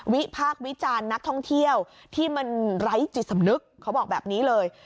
พากษ์วิจารณ์นักท่องเที่ยวที่มันไร้จิตสำนึกเขาบอกแบบนี้เลย